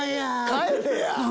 帰れや！